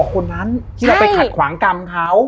คนนั้นที่เราไปขัดขวางกรรมเขา